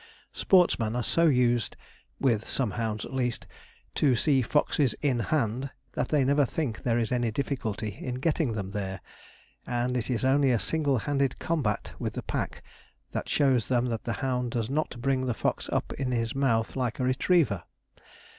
Sportsmen are so used (with some hounds at least) to see foxes 'in hand' that they never think there is any difficulty in getting them there; and it is only a single handed combat with the pack that shows them that the hound does not bring the fox up in his mouth like a retriever.